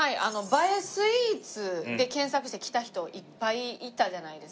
映えスイーツで検索して来た人いっぱいいたじゃないですか。